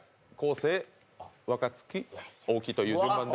生、若槻、大木という順番で。